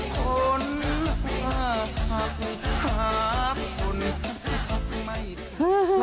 คนฮะครับคนฮะไม่กลับ